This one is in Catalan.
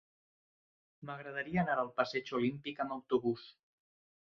M'agradaria anar al passeig Olímpic amb autobús.